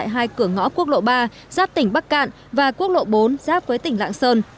hai cửa ngõ quốc lộ ba giáp tỉnh bắc cạn và quốc lộ bốn giáp với tỉnh lạng sơn